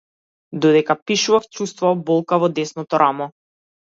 Додека пишував чуствував болка во десното рамо.